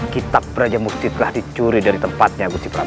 kitab raja musti telah dicuri dari tempatnya kutipra